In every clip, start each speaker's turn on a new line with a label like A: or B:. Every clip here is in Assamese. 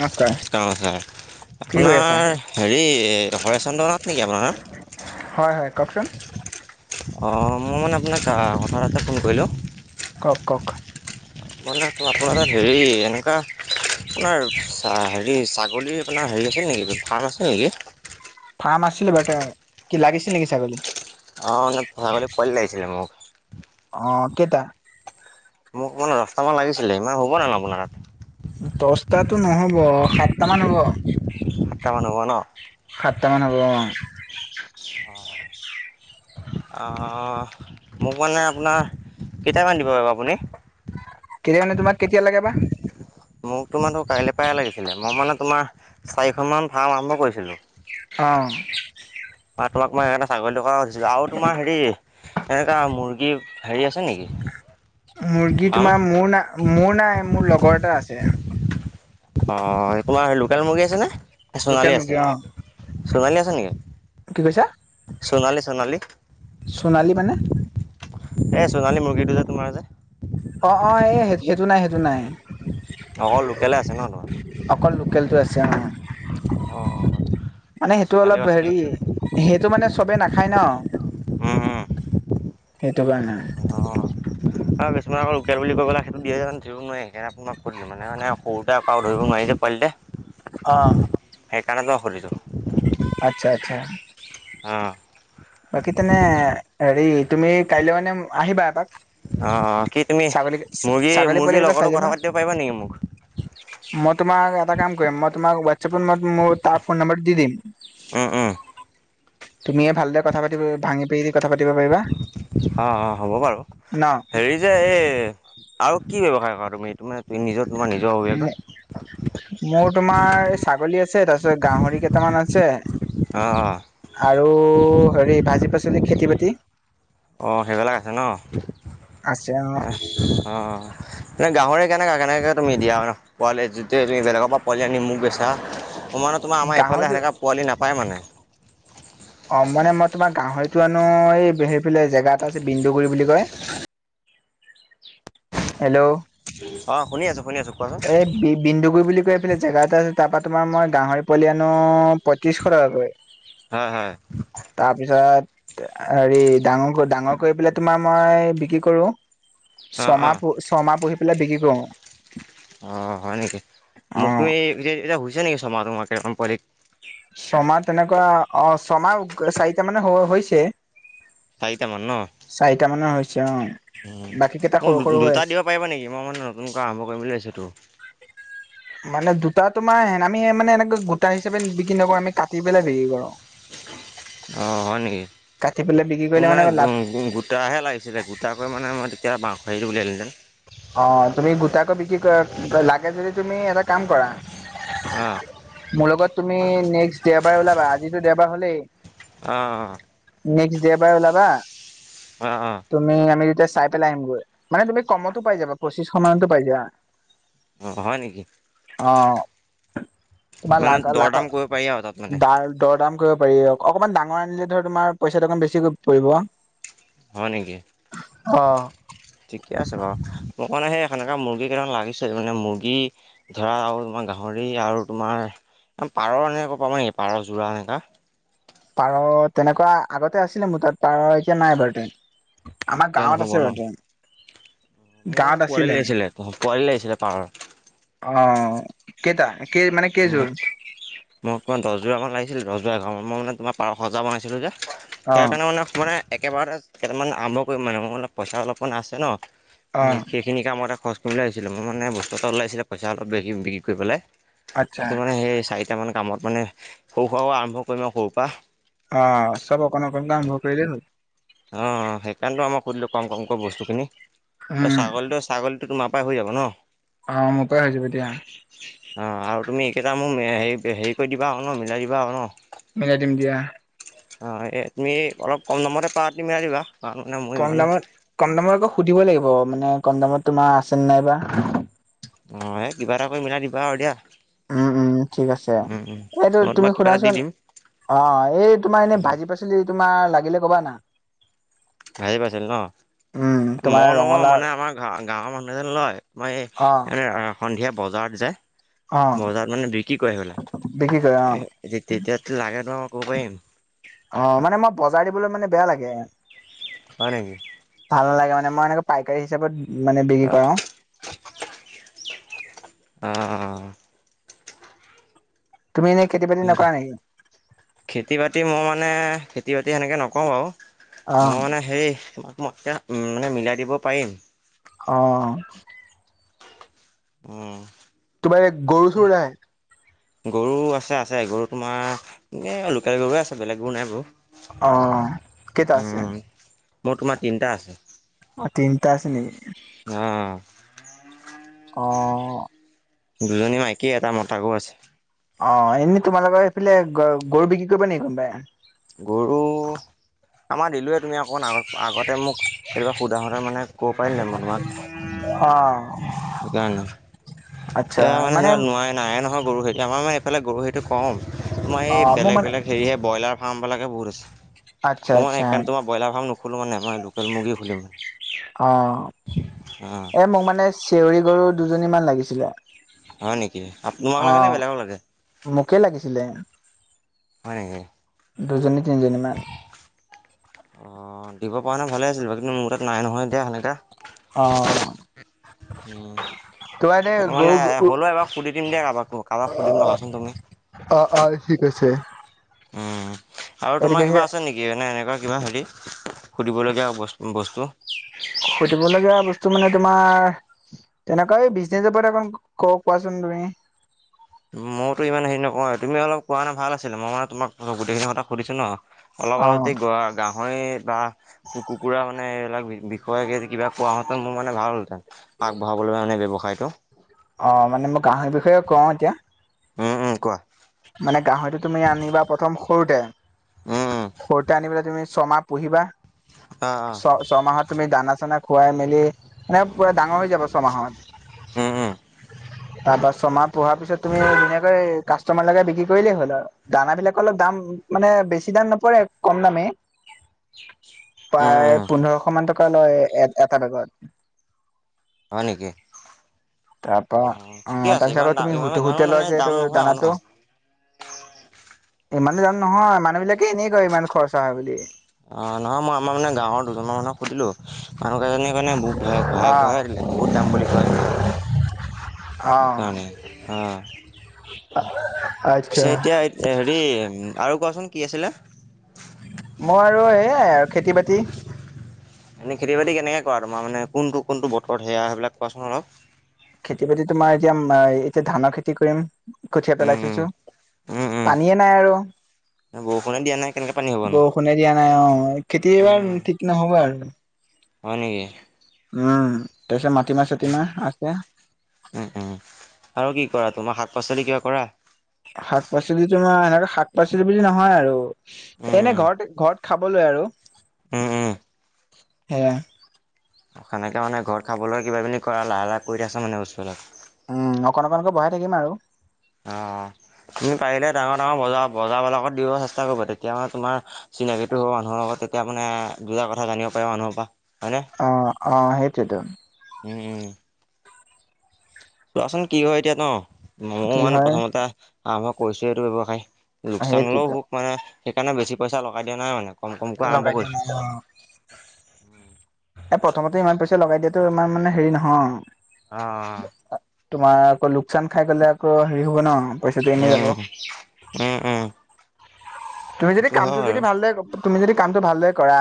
A: নমস্কাৰ
B: অ', হয়।
A: কি কৰি আছা
B: আপোনাৰ হেৰি হৰেচন্দ্ৰ নাথ নেকি আপোনাৰ
A: হয়
B: নাম?
A: হয় কওকচোন
B: অ', মই মানে আপোনাক হৰ্ঠাৎ ফোন কৰিলোঁ
A: কওক কওক
B: মানে আপোনাৰ তাত হেৰি এনেকুৱা আপোনাৰ হেৰি ছাগলীৰ আপোনাৰ হেৰি আছে নেকি ফাৰ্ম আছিল নেকি?
A: ফাৰ্ম আছিলে বাৰুতে। কি লাগিছিল নেকি ছাগলী?
B: অ' নে বৱাবলে পোৱালী লাগিছিলে মোক।
A: অ' কেইটা?
B: মোক মানে দহটামান লাগিছিলে, ইমান হ'ব নে আপোনাৰ তাত?
A: দহটাতো নহব সাতটা মান হ'ব।
B: সাতটা মান হ'ব ন'?
A: সাতটা মান হ'ব অ'।
B: অ'।
A: [inaudible]
B: আ, মোক মানে আপোনাৰ কেইটামান দিব পাৰিব আপুনি?
A: কেতিয়া মানে তোমাক কেতিয়া লাগে বা?
B: মোক তোমাৰতো কাইলে পায়ে লাগিছিলে, মই মানে তোমাৰ চাৰিখনমান ফাৰ্ম আৰম্ভ কৰিছিলোঁ।
A: অ'।
B: তোমাক মই সেইকাৰণে ছাগলী কথা সুধিছিলোঁ আৰু তোমাৰ হেৰি এনেকা মুৰ্গী হেৰি আছে নেকি?
A: মুৰ্গী
B: ফাৰ্ম
A: তোমাৰ মোৰ না মোৰ নাই মোৰ লগৰ এটা আছে।
B: অ' তোমাৰ লোকেল মুৰ্গী আছে নে?
A: লোকেল মুৰ্গী অ'।
B: চোণালী আছে নেকি?
A: কি কৈছা?
B: চোনালি চোনালি।
A: চোণালী মানে?
B: এ, চোণালী মুৰ্গীটো যে তোমাৰ যে।
A: অ', অ' এই সেইটো নাই সেইটো নাই।
B: অকল লোকেলে আছে ন তোমাৰ
A: অকল লোকেলটো আছে অ'।
B: অ
A: মানে
B: অ
A: সেইটো
B: সোণালীও
A: অলপ
B: আছে নেকি
A: হেৰি সেইটো মানে চবে নাখায় ন'।
B: উম,
A: সেইটো কাৰণে।
B: অ আৰু কিছুমান আকৌ লোকেল বুলি কৈ পেলাই সেইটো দিয়ে কাৰনে ধৰিব নোৱাৰি, সেইকাৰণে আপোনাক সুধিলোঁ। সৰুতে আপোনাৰ ধৰিব নোৱাৰি। যিয়ে‌ পোৱালি টে
A: অ'।
B: সেইকাৰণে তোমাক সুধিছোঁ।
A: আচ্ছা আচ্ছা
B: উ।
A: বাকী তেনে হেৰি তুমি কাইলৈ মানে আহিবা এপাক।
B: অ', অ' কি তুমি
A: ছাগলী
B: মুৰ্গী
A: ছাগলী
B: মুৰ্গীৰ
A: পোৱালিকেইটা চাই
B: লগৰটোক
A: যাবা
B: কথা পাতিব পাৰিবা নেকি মোক?
A: মই তোমাক এটা কাম কৰিম মই তোমাক ৱেট হোয়াট‌চাপত ম-মই তাৰ ফোন নম্বৰটো দি দিম।
B: উম উম,
A: তুমিয়ে ভালদৰে কথা পাতি ভাঙি পাতি
B: অ', অ' হ'ব বাৰু,
A: ন
B: হেৰি যে এই আৰু কি ব্যৱসায় কৰা তুমি, তুমিত
A: মোৰ তোমাৰ ছাগলী আছে তাৰ গাহৰি কেইটামান আছে
B: অ'
A: আৰু হেৰি ভাজি পাচলি খেতি বাতি?
B: অ‌' সেইবিলাক আছে ন'?
A: আছে
B: এ,
A: অ
B: অ', অ' মানে গাহৰি কেনেকা কেনেকা তাকে তুমি দিয়া আৰু ৰাহ, পোৱালি যেতিয়া তুমি বেলেগৰপৰা পোৱালি আনি মোক বেছা ও মানে তোমাৰ আমাৰ ইফালে
A: গাহৰিটো
B: সেনেকা পোৱালি নাপায় মানে।
A: অ' মানে মই তোমাৰ গাহৰিত টো আনো এই হেৰিফালে জেগা এটা আছে বিন্দুগুৰি বুলি কয়। হেল্ল'
B: অ' শুনি আছোঁ।
A: এই বি বিন্দুগুৰি বুলি কৈ পেলে জেগা এটা আছে তাৰপৰা তোমাৰ মই গাহৰি পোৱালি আনো পঁত্ৰিশ টকাকৈ।
B: হয় হয়।
A: তাৰপিছত হেৰি ডাঙৰ ডাঙৰ কৰি পেলাই তোমাৰ মই বিক্ৰী কৰো।
B: অ' অ'
A: ছমাহ ছমাহ পুহি পেলাই বিক্ৰী কৰোঁ।
B: অ' হয় নেকি মোক
A: অঁ
B: তুমি পিছে এতিয়া হৈছে নেকি ছমাহ হোৱাকে তোমাৰ পোৱালি।
A: ছমাহ তেনেকুৱা অ, ছমাহ চাৰিটা মানে হৈছে।
B: চাৰিটামান
A: চাৰিটা মানৰ হৈছে অ'।
B: উ
A: বাকী কেইটা সৰু
B: মোক
A: সৰু হৈ
B: দুটা
A: আছে
B: দিব পাৰিবা নেকি মই মানে নতুনকৈ আৰম্ভ কৰিম‌ বুলি ভাবিছোঁ।
A: [unintelligible] মানে দুটা তোমাৰ এনে আমি মানে এনেকৈ গোটা হিচাপে বিক্ৰী নকৰোঁ আমি কাটি পেলাই বিক্ৰী কৰোঁ।
B: অ' হয় নেকি।
A: কাটি পেলাই বিক্ৰী
B: মোৰ
A: কৰিলে
B: মানে
A: লাভ
B: গোটাহে লাগিছিলে গোটাকৈ মানে মই তেতিয়া [unintelligible]
A: অ' তুমি গোটাকৈ বিক্ৰী কৰা লাগে যদি তুমি এটা কাম কৰা।
B: অঁ
A: মোৰ লগত তুমি নেক্স দেওবাৰে ওলাবা আজিতো দেওবাৰ হ'লেই।
B: অ‌হ।
A: নেক্স দেওবাৰে ওলাবা
B: অঁ অঁ
A: তুমি আমি তেতিয়া চাই পেলাই আহিমগৈ মানে তুমি কমত ত পাই যাবা পঁচিশ মানতো পাই যাবা।
B: অ' হয় নেকি।
A: অ' তোমাৰ লা
B: মানে দৰ
A: লাখৰ
B: দাম কৰিব পাৰি আৰু তাত মানে
A: দাৰ দৰ দাম কৰিব পাৰি অকণমান ডাঙৰ আনিলে ধৰ তোমাৰ পইচাটো অকমান বেছিকৈ পৰিব।
B: হয় নেকি ঠিকে আছে বাৰু। মোক মানে সেই সনেকা মুৰ্গী কেইটামান লাগিছিল মানে মুৰ্গী ধৰা আৰু তোমাৰ গাহৰি আৰু তোমাৰ পাৰ এনেকুৱা পাবা নেকি পাৰ যোৰা এনেকুৱা।
A: পাৰ তেনেকুৱা আগতে আছিলে মোৰ তাত পাৰ এতিয়া নাই বাৰু [unintelligible] আমাৰ
B: তেতিয়া
A: গাঁৱত
B: নহ'ব
A: আছে
B: ন
A: বাৰু তে
B: মোক মানে পোৱালি লাগিছিলে পোৱালি লাগিছিলে পাৰৰ।
A: অ কেইটা কেই মানে কেইযোৰ
B: মোক মোক পোৰা দহ জোৰা মান লাগিছিলে। আছিল ৰজাঁৱত মই মানে তোমাৰ পাৰ সজা বনাইছিলোঁ যে
A: অ
B: সেইকাৰণে মানে মানে একেবাৰতে কেইটামান আৰম্ভ কৰিম মানে মোৰ মানে পইচা অলপমান আছে ন
A: অ
B: সেইখিনি কামতে খৰচ কৰিবলৈ আহিছিলে মোৰ মানে বস্তু এটা ওলাইছিলে পইচা অলপ বেছি বিক্ৰী কৰি পেলাই
A: আচ্ছা
B: সেইটো মানে সেই চাই। কেইটামানে কামত মানে সৰু সুৰাও আৰম্ভ কৰিম আৰু সৰুৰ পৰা।
A: অ' চব অকণ অকণকে আৰম্ভ কৰিলে হ'ল।
B: অ' সেইকাৰণে তো আমাক সুধিলো কম কম কম বস্তুখিনি
A: উম
B: ছাগলীটো ছাগলীটো তোমাৰ পাই হৈ যাব ন।
A: আহ মোৰ পৰাই হৈ যাব দিয়া।
B: কেইটা মোক হেৰি হেৰি কৰি দিবা আৰু ন মিলাই দিবা আৰু ন।
A: মিলাই দিম দিয়া।
B: অ' এই তুমি অলপ কম দামতে পাৰ তুমি দিবা। কাৰণ মানে মোৰ
A: কম
B: ইমানো
A: দামত কম দামত আকৌ সুধিব লাগিব মানে কম দামত তোমাৰ আছেনে নাইবা।
B: অ' এই কিবা এটা কৰি মিলাই দিবা আৰু দিয়া।
A: উম উম ঠিক আছে
B: মই
A: এইটো তুমি
B: তোমাক কিবা এটা দি
A: শুনাচোন।
B: দিম
A: অ' এই তোমাৰ এনে ভাজি পাচলি তোমাৰ লাগিলে কবা না।
B: হৰি পাইছিল ন
A: উম তোমাৰ
B: মই নলওঁ
A: ৰঙালাও
B: মানে আমাৰ গাঁৱৰ মানুহজন লয়। মই
A: অ
B: সন্ধিয়া বজাৰত যায়।
A: অ
B: বজাৰত মানে বিক্ৰী কৰে বলে
A: বিক্ৰী কৰে অ
B: তেতিয়াতো লাগে ন। [unintelligible]
A: অ' মানে মই বজাৰ দিবলৈ মানে বেয়া লাগে।
B: হয় নেকি?
A: ভাল নালাগে মই এনেক পাইকাৰী হিচাপত মানে বিক্ৰী কৰাও।
B: অ',
A: তুমি এনেই খেতি বাতি
B: উম,
A: নকৰা নেকি?
B: খেতি বাতি মই মানে খেতি বাতি সেনেকে নকৰোঁ বাৰু
A: অ
B: মই মানে হেৰি মই এতিয়া উম, মানে মিলাই দিব পাৰিম।
A: অ',
B: উম,
A: তোমাৰ এ গৰু চৰু নাই?
B: গৰু আছে আছে গৰু তোমাৰ এ লোকেল গৰুৱে আছে বেলেগ গৰু নাই বাৰু।
A: অ, কেইটা আছে?
B: মোৰ তোমাৰ তিনিটা আছে।
A: অ', তিনিটা আছে নেকি?
B: [inaudible]
A: অ',
B: দুজনী মাইকী এটা মতা গৰু আছে
A: অ', এনেই তোমালোকৰ সেইফালে গৰু বিক্ৰী কৰিব নেকি কোনোবাই?
B: গৰু আমাৰ দিলোঁৱে তুমি অকণ আগত আগতে মোক কেতিকাবা সোধা সোতে মানে ক'ব পাৰিল নে মই তোমাক।
A: অ
B: সেইকাৰণে, এতিয়া মানে সে নোৱাই নাইে নহয় গৰু আমাৰ মানে এইফালে গৰু সেইটো কম আমাৰ
A: অ
B: এই
A: মোৰ
B: বেলেগ
A: মানে
B: বেলেগ হেৰিহে ব্ৰইলাৰ ফাৰ্মবিলাকে বহুত আছে।
A: আচ্ছা
B: মই
A: আচ্ছা
B: এইকাৰণে তোমাৰ ব্ৰইলাৰ ফাৰ্ম নুখোলো মানে মই লোকেল মুৰ্গী খুলিম মানে।
A: অ',
B: অঁ
A: অ, মোক মানে চেউৰি গৰু দুজনী মান লাগিছিলে।
B: হয় নেকি আপো তোমালোকক লাগে নে বেলেগক লাগে?
A: কে লাগিছিলে।
B: হয় নেকি।
A: দুজনী, তিনজনিমান।
B: অ', দিব পৰা নাই ভালে আছিল বাকী মোৰ তাত নাই নহয় এতিয়া সেনেকা।
A: অ',
B: উম,
A: তোমাৰ এনে
B: মানে
A: গৰু
B: হ'লেও এবাৰ সুধি দিম দিয়া কাৰোবাক, কাবাক সুধিম ৰখাচোন তুমি।
A: অ', অ', ঠিক আছে।
B: আৰু
A: এইটো
B: তোমাৰ কিবা আছে নেকি এনে এনেকুৱা কিবা হেৰি সুধিবলগীয়া বচ বস্তু?
A: [inaudible] সুধিব লগীয়া বস্তু মানে তোমাৰ তেনেকুৱা বিজনেচ ওপৰত মোক ক' কোৱাচোন তুমি। [inaudible]
B: মইতো ইমান হেৰি নকওঁ তুমি অলপ কোৱা হ'লে ভাল আছিল। মই মানে তোমাক গোটেইখিনি কথা সুধিছো ন। অলপ,
A: অ
B: অলপ দি গোৱা গাওঁ হয় বা কুকুৰা মানে এইবিলাক বিষয়ে কিবা কোৱাহঁতেন মোৰ ভাল হ'ল হেঁতেন। আগবঢ়াবলৈ মানে ব্যবসায়টো।
A: অ মানে মই গাহৰিৰ বিষয়ে কওঁ এতিয়া
B: উম, উম কোৱা।
A: মানে গাহৰিটো তুমি আনিবা প্ৰথম সৰুতে,
B: উম উম
A: সৰুতে আনি পেলাই তুমি ছমাহ পুহিবা
B: অ অ
A: ছ ছমাহত তুমি দানা চানা খুৱাই মেলি মানে পুৰা ডাঙৰ হৈ যাব ছমাহত
B: উম উম।
A: তাৰপা ছমাহ পুহা পিছত তুমি ধুনীয়াকৈ কাষ্টমাৰ লগাই বিক্ৰী কৰিলেই হ'ল আৰু দানা বিলাকৰ অলপ দাম মানে বেছি দাম নপৰে কম দামেই।
B: উম
A: প্ৰায়
B: উম
A: পোন্ধৰশ মান টকা লয় এ, এটা বেগত।
B: হয় নেকি?
A: তাৰপা
B: অ ঠিকে
A: অ',
B: আছে
A: তাৰপিছত
B: ইমান
A: আকৌ
B: দাম
A: তুমি হু,
B: ইমান ইমানো মানে
A: হুতেলৰ যে
B: দাম নহয়
A: দানা
B: আৰু ন।
A: টো ইমানো দাম নহয় মানুহ বিলাকে এনেই কয় ইমান খৰচা হয় বুলি।
B: অ', নহয় মই আমাৰ মানে গাঁৱৰ দুজনমান মানুহক সুধিলো, মানুহ কেইজনীয়ে মানে ভয়, ভয়
A: অ
B: খোৱাই হে দিলে। বহুত দাম বুলি কয়।
A: অ
B: মানে অহ, পিছে এতিয়া হেৰি। আৰু কোৱাছোন কি আছিলে।
A: মই আৰু এইয়াই আৰু খেতি- বাতি।
B: এনে খেতি- বাতি কেনেকে কৰা তোমাৰ মানে কোনটো, কোনটো বতৰ সেয়া সেইবিলাক কোৱাছোন অলপ।
A: খেতি- বাতি তোমাৰ এতিয়া, এতিয়া ধানৰ খেতি কৰিম কঠীয়া
B: উম
A: পেলাই
B: উম
A: থৈছো।
B: উম উম
A: পানীয়ে নাই আৰু।
B: বৰষুণে দিয়া নাই কেনেকে পানী হ'বনো
A: বৰষুণে দিয়া নাই অ' খেতি এইবাৰ
B: উম
A: ঠিক নহ'ব আৰু।
B: হয় নেকি।
A: উম, তাৰপিছত মাটিমাহ চাতিমাহ আছে।
B: উম উম আৰু কি কৰা তোমাৰ শাক-পাচলি কিবা কৰা।
A: শাক- পাচলি তোমাৰ আৰু শাক- পাচলি বুলি নহয় আৰু
B: উম
A: এনে ঘৰতে ঘৰত খাবলৈ আৰু।
B: উম উম
A: সেইয়া।
B: সেনেকে মানে ঘৰত খাবলৈ কিবা কিনি কৰা লাহে লাহে কৰি আছে মানে বস্তুবিলাক।
A: উম অকণ, অকনকৈ বঢ়াই থাকিম আৰু।
B: অ', তুমি পাৰিলে ডাঙৰ ডাঙৰ বজাৰ, বজাৰবিলাকত দিব চেষ্টা কৰিবা তেতিয়া মানে তোমাৰ। চিনাকিটো মানুহৰ লগত তেতিয়া মানে দুটা কথা জানিব পাৰিবা মানুহৰ পৰা। হয়নে
A: অ ', অ' সেইটোৱেটো।
B: উম। চোৱাচোন কি হয় এতিয়া ন' মইয়ো
A: কি
B: মানে
A: হয়
B: প্ৰথমতে আৰম্ভ কৰিছোহে এইটো ব্যৱসায়। লোকচান হ'লেও!
A: সেইটোৱেতো
B: হ'ব পাৰে সেইকাৰণে বেছি পইচা লগাই দিয়া নাই মানে। কম কমকৈ আৰম্ভ
A: লগাই দিয়া
B: কৰিছোঁ।
A: নাই অ
B: উম
A: ' এ' পট। প্ৰথমতে ইমান পইচা লগাই দিয়াাটো ইমান মানে হেৰি নহয়।
B: অহ'।
A: তোমাৰ আকৌ লোকচান খাই গলে আকৌ হেৰি হ'ব ন। পইচাটো এনেই যাব
B: উম', উম', উম'।
A: তুমি যদি
B: সেইটো হয়
A: কামটো
B: বাৰু
A: যদি ভালদৰে তুমি যদি কামটো ভালদৰে কৰা।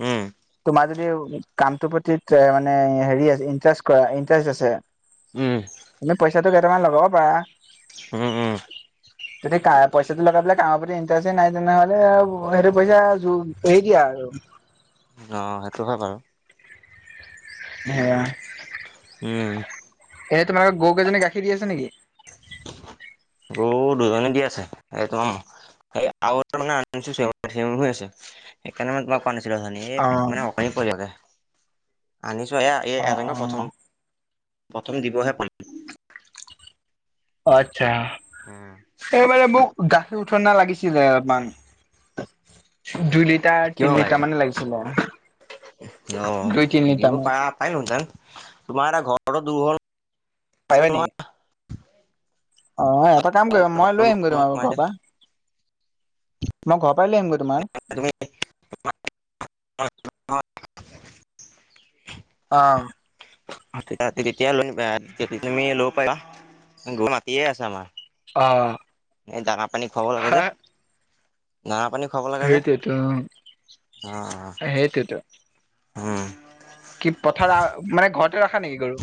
B: উম।
A: তোমাৰ যদি কামটোৰ প্ৰতি মানে হেৰি ইটাৰেষ্ট কৰা, ইণ্টাৰেষ্ট আছে
B: উম
A: মানে পইচাটো কেইটামান ল'বও পাৰা।
B: উম উম
A: যাতে পইচাটো লগাই পেলাই কামৰ প্ৰতি। পইচা নাই তেনেহলে আৰু সেইটো পইচা হৰি দিয়া আৰু।
B: অ, সেইটো হয় বাৰু।
A: সেয়া
B: উম
A: এ তোমালাক গৰু কেইজনী গাখীৰ দি আছে নেকি? [inaudible]
B: অ', দুজনে দি আছে এই। [unintelligible] আৰু এটা মানে [unintelligible] সেইকাৰণে মানে তোমাক [unintelligible] এই
A: অ
B: মানে অকণি পৰি থাকে, আনিছো এ এই
A: অ
B: এজন
A: অ
B: প্ৰথম প্ৰথম দিৱহে পাম।
A: অ' আচ্ছা এইমানে মোক। গাখীৰ উঠ না লাগিছিলে অমান। [inaudible] দুই লিটাৰ
B: কিয়
A: তিনি
B: লাগে
A: লিটাৰ মানে লাগিছিলে।
B: অ
A: দুই তিনি লিটাৰ
B: দিব
A: মান
B: পা পাৰিলোঁ হেঁতেন তোমাৰ এটা ঘৰৰ দুৰঘল।
A: পাৰিবা নি। অহ, এটা কাম কৰিম, মই
B: ঘৰতো
A: লৈ
B: দূৰ
A: আহিম গৈ
B: হ'ল
A: তোমাৰ
B: নহয়
A: ঘৰৰ পৰা। মই ঘৰৰ পৰা উলিয়াই আনিম গৈ তোমাক।
B: [unintelligible]
A: অহ।
B: যেতিয়া লৈ তুমি লগ পাবা মাতিয়েই আছা আমাক।
A: অ
B: এই দানা পানী খুৱাব লাগে যে,
A: হা
B: দানা পানী। খাব লাগে যে
A: সেইটোৱেতো সেইটোৱেতো
B: অ
A: কি পথাৰ মানে ঘৰতে ৰাখা নে কি গৰু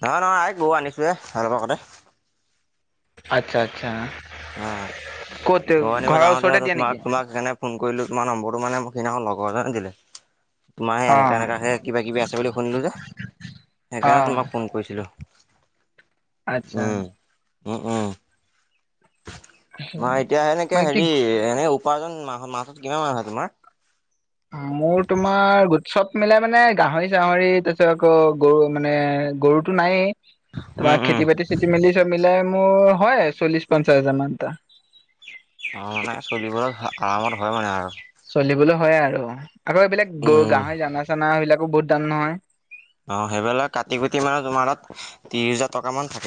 B: নহয় নহয় আ গৰু আনিছোহে অলপ আগতে
A: আচ্ছা আচ্ছা
B: আহ
A: ক'ত
B: গৰু আনিব
A: ঘৰৰ
B: যাওঁতে
A: ওচৰতে দিয়া নেকি
B: তোমাক তোমাক সেইকাৰণে ফোন কৰিলো তোমাৰ নম্বৰটো মানে মোক সিদিনাখন লগৰ এটাই দিছিল তোমাৰে
A: অ
B: এনেকা এনেকা হে কিবা কিবি আছে বুলি শুনিলো যে
A: অ
B: সেইকাৰণে তোমাক ফোন কৰিছিলো
A: আত্ছা
B: অ অঁ মাৰ এতিয়া এনেকে
A: মই কি
B: হেৰি এনেই উপাৰ্জন মাহ মাহত কিমান মান হয় তোমাৰ
A: মোৰ তোমাৰ গো চৱ মিলাই মানে গাহৰি চাহৰি তাৰিছত আকৌ গৰু মানে গৰুতো নাই
B: উম
A: তোমাৰ
B: উম
A: খেতি বাতি চেতি বাতি চব মিলাই মোৰ হয় চল্লিশ পঞ্চাছ হাজাৰ মান এটা
B: অ মানে চলিবলৈ আৰামত হয় মানে আৰু
A: চলিবলৈ হয় আৰু আকৌ এইবিলাক গ
B: উম।
A: গাহৰি দানা চানা বিলাকো বহুত দাম নহয়
B: অ সেইবিলাক কাটি কুটি মানে তোমাৰ তাত ত্ৰিশ হাজাৰ টকা মান থাক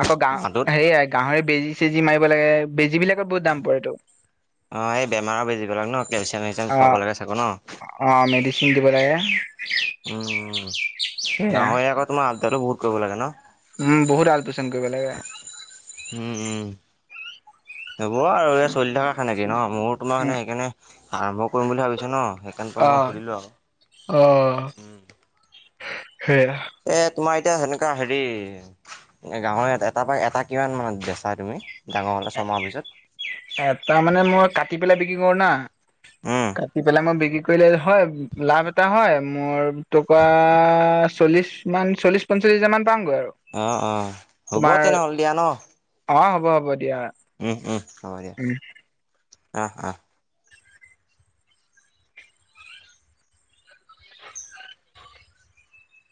A: আকৌ গা সেয়াই গাহৰি বেজি চেজি মাৰিব লাগে বেজী বিলাকত বহুত দাম পৰেটো
B: অ এই বেমাৰ বেজি বিলাক ন কেলচিয়াম চেলচিয়াম
A: অ
B: খুৱাব লাগে চাগৈ
A: অ
B: ন
A: মেডিচিন
B: উম
A: [unintelligible]
B: গাহৰি আকৌ তোমাৰ আব্দা টো বহুত কৰিব লাগে ন
A: উম বহুত আলপৈচাণ কৰিব লাগে
B: উম উম হব আৰু এই চলি থকা সেনেকে ন মোৰ তোমাৰ
A: উম
B: মানে সেইকাৰণে আৰম্ভ কৰিম বুলি ভাবিচো ন [unintelligible] সেইকাৰণটো
A: অ
B: মই সুধিলোঁ আৰু
A: সেইয়
B: এ তোমাৰ এতিয়া সেনেকুৱা হেৰি গাহৰি এটা পুৰা এটা কিমান মানত বেচা তুমি ডাঙৰ হ'লে ছমাহৰ পিছত
A: এটা মানে মই কাটি পেলাই বিক্ৰী কৰো না
B: উম
A: কাটি পেলাই মই বিক্ৰী কৰ কৰি হয় লাভ এটা হয় মোৰ তোমাৰ চল্লিছ মান চল্লিছ পঞ্চল্লিছ হাজাৰ মান গৈ আৰু
B: অ', অ', হ'ব
A: তোমাৰ
B: তেনেহ'লে দিয়া ন
A: অ হ'ব হ'ব দিয়া
B: উম উম হ'ব দিয়া
A: উম
B: আহ আহ